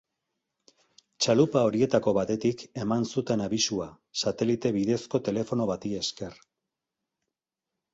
Txalupa horietako batetik eman zuten abisua, satelite bidezko telefono bati esker.